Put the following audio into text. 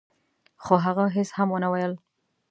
خو هغه هيڅ هم ونه ويل.